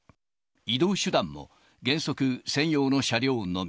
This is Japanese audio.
移動手段も原則、専用の車両のみ。